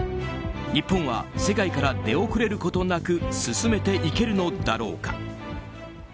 日本は世界から出遅れることなく進めていけるのだろうか。